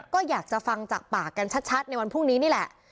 ก็อยากจะฟังจากปากกันชัดในวันพรุ่งนี้นี่แหละ